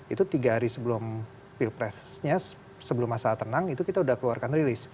itu tiga hari sebelum pilpresnya sebelum masa tenang itu kita sudah keluarkan rilis